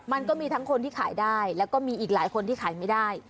มันก็มีทั้งคนที่ขายได้แล้วก็มีอีกหลายคนที่ขายไม่ได้